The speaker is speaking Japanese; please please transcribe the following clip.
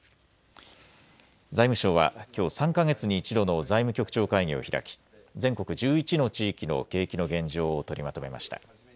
財務省はきょう３か月に一度の財務局長会議を開き全国１１の地域の景気の現状を取りまとめました。